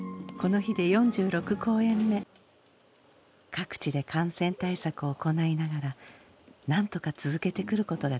各地で感染対策を行いながら何とか続けてくることができました。